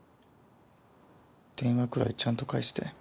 電話くらいちゃんと返して。